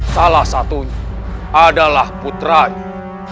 salah satunya adalah putranya